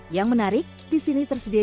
yang menarik disini tersimpatkan